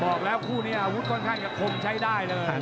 บอกแล้วคู่นี้อาวุธค่อนข้างจะคงใช้ได้เลย